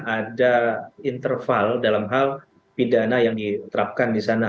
ada interval dalam hal pidana yang diterapkan di sana